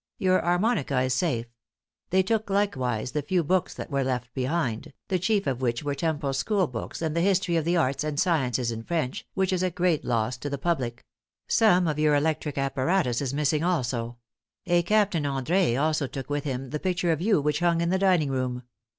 Your armonica is safe. They took likewise the few books that were left behind, the chief of which were Temple's school books and the History of the Arts and Sciences in French, which is a great loss to the public; some of your electric apparatus is missing also a Captain André also took with him the picture of you which hung in the dining room.